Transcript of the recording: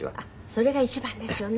それが一番ですよね。